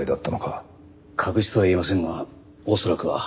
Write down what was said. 確実とは言えませんが恐らくは。